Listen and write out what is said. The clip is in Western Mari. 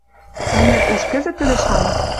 Ӓнят, уж кӹзӹт тӹдӹ шана